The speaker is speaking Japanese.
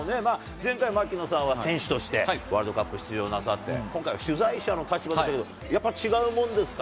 前回、槙野さんは選手としてワールドカップ出場なさって、今回は取材者の立場で、やっぱ違うもんですか？